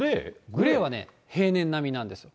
グレーはね、平年並みなんです。